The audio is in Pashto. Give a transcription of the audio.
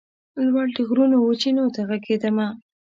لوړ د غرونو وچېنو ته ږغېدمه